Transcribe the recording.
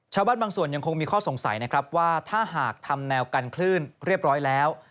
บางส่วนยังคงมีข้อสงสัยนะครับว่าถ้าหากทำแนวกันคลื่นเรียบร้อยแล้ว